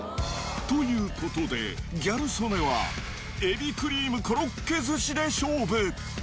ということで、ギャル曽根は、エビクリームコロッケ寿司で勝負。